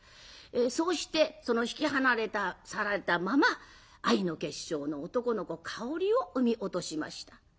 そうして引き離されたまま愛の結晶の男の子香織を産み落としました。